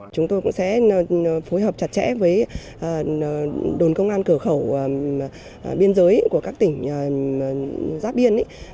chúng tôi cũng sẽ phối hợp chặt chẽ với đồn công an cửa khẩu biên giới của các tỉnh giáp biên